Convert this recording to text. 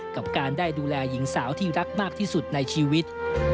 กับการได้ดูแลหญิงสาวที่รักมากที่สุดในชีวิต